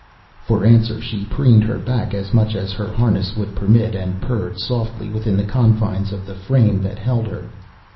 For answer, she preened her back as much as her harness would permit and purred softly within the confines of the frame that held her.